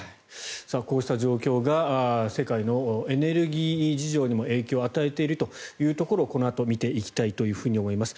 こうした状況が世界のエネルギー事情にも影響を与えているというところをこのあと見ていきたいと思います。